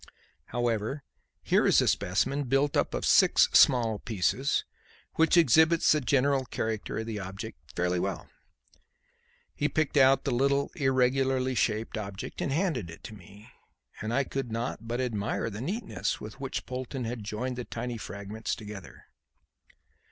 However, here is a specimen, built up of six small pieces, which exhibits the general character of the object fairly well." He picked out the little irregularly shaped object and handed it to me; and I could not but admire the neatness with which Polton had joined the tiny fragments together.